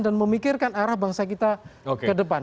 dan memikirkan arah bangsa kita ke depan